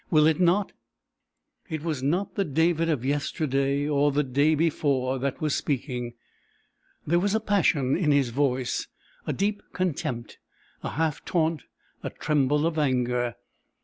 Will it not?" It was not the David of yesterday or the day before that was speaking. There was a passion in his voice, a deep contempt, a half taunt, a tremble of anger.